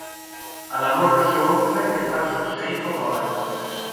A la mort del seu oncle el va succeir com abat.